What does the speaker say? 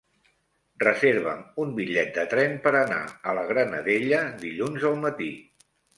Reserva'm un bitllet de tren per anar a la Granadella dilluns al matí.